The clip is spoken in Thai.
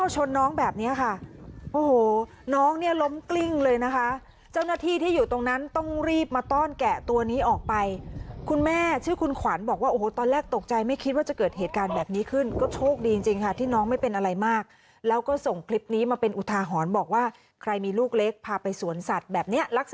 ชนน้องแบบนี้ค่ะโอ้โหน้องเนี่ยล้มกลิ้งเลยนะคะเจ้าหน้าที่ที่อยู่ตรงนั้นต้องรีบมาต้อนแกะตัวนี้ออกไปคุณแม่ชื่อคุณขวัญบอกว่าโอ้โหตอนแรกตกใจไม่คิดว่าจะเกิดเหตุการณ์แบบนี้ขึ้นก็โชคดีจริงค่ะที่น้องไม่เป็นอะไรมากแล้วก็ส่งคลิปนี้มาเป็นอุทาหรณ์บอกว่าใครมีลูกเล็กพาไปสวนสัตว์แบบนี้ลักษณะ